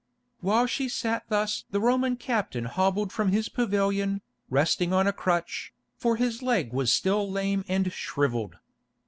While she sat thus the Roman captain hobbled from his pavilion, resting on a crutch, for his leg was still lame and shrivelled.